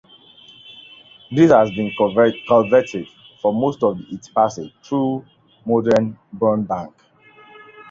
This has been culverted for most of its passage through modern Burnbank.